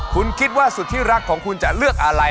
คุณคิดว่าสุดที่รักของคุณจะเลือกอะไร